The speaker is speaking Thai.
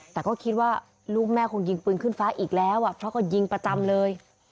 แต่ก็คิดว่าลูกแม่คงยิงปืนขึ้นฟ้าอีกแล้วเพราะก็ยิงประจำเลย